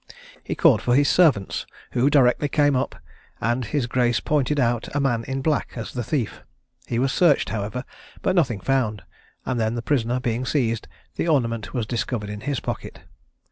He called for his servants, who directly came up, and his grace pointed out a man in black as the thief. He was searched, however, but nothing found; and then the prisoner being seized, the ornament was discovered in his pocket.